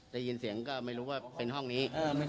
ได้ยินเสียงก็ไม่รู้ว่าเป็นห้องนี้